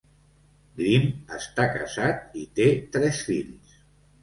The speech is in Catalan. Grimm està casat i té tres fills.